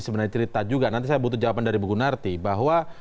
sebenarnya cerita juga nanti saya butuh jawaban dari bu gunarti bahwa